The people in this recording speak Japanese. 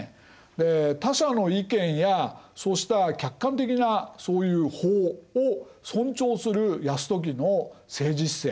で他者の意見やそうした客観的なそういう法を尊重する泰時の政治姿勢。